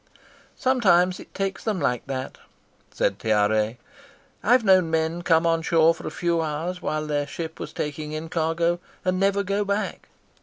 "Sometimes it takes them like that," said Tiare. "I've known men come on shore for a few hours while their ship was taking in cargo, and never go back.